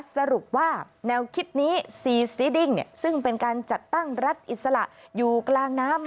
สรุปว่าแนวคิดนี้ซีซีดิ้งซึ่งเป็นการจัดตั้งรัฐอิสระอยู่กลางน้ำ